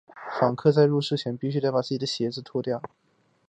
访客在入寺前必须把自己的鞋子脱掉。